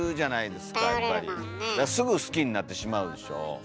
すぐ好きになってしまうでしょ。